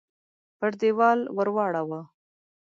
پر دېوال ورواړوه !